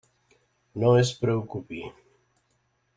No es preocupi.